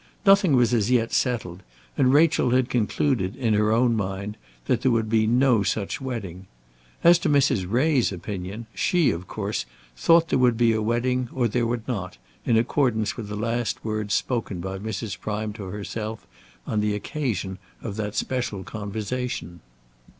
Nothing was as yet settled, and Rachel had concluded, in her own mind, that there would be no such wedding. As to Mrs. Ray's opinion, she, of course, thought there would be a wedding or that there would not, in accordance with the last words spoken by Mrs. Prime to herself on the occasion of that special conversation.